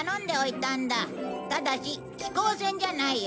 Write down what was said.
ただし飛行船じゃないよ。